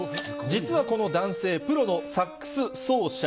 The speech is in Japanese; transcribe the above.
実はこの男性、プロのサックス奏者。